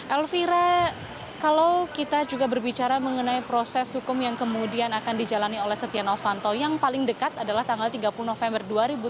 elvira kalau kita juga berbicara mengenai proses hukum yang kemudian akan dijalani oleh setia novanto yang paling dekat adalah tanggal tiga puluh november dua ribu tujuh belas